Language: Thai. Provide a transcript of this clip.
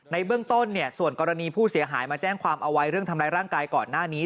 ในเบื้องต้นส่วนกรณีผู้เสียหายมาแจ้งความเอาไว้เรื่องทำร้ายร่างกายก่อนหน้านี้